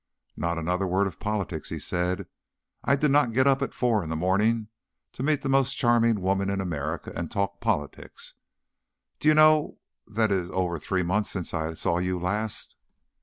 "Not another word of politics," he said. "I did not get up at four in the morning to meet the most charming woman in America and talk politics. Do you know that it is over three months since I saw you last?"